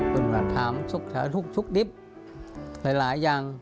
ตรงตรัสถามทุกลิฟต์หลายอย่าง